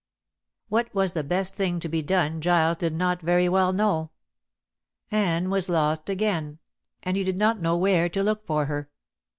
What was the best thing to be done Giles did not very well know. Anne was lost again, and he did not know where to look for her.